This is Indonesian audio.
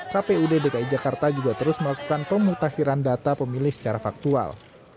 kpud dki jakarta juga terus melakukan pemutahiran data pemilih secara faktual